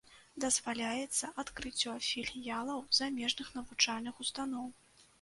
Дазваляецца адкрыццё філіялаў замежных навучальных устаноў.